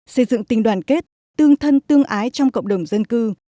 xây dựng tình đoàn kết tương thân tương ái trong cộng đồng dân cư